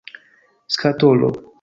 skatolo